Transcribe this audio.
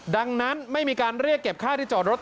ดังนั้นไม่มีการเรียกเก็บค่าที่จอดรถ